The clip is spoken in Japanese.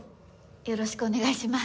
よろしくお願いします。